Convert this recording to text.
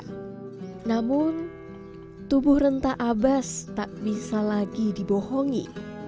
namun tubuh renta abbas tak bisa lagi dibohongi